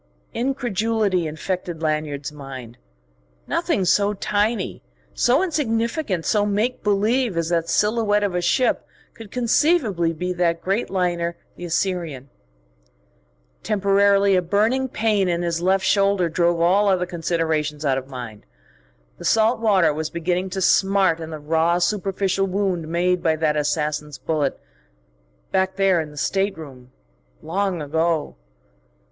Incredulity infected Lanyard's mind. Nothing so tiny, so insignificant, so make believe as that silhouette of a ship could conceivably be that great liner, the Assyrian.... Temporarily a burning pain in his left shoulder drove all other considerations out of mind. The salt water was beginning to smart in the raw, superficial wound made by that assassin's bullet ... back there in the stateroom ... long ago....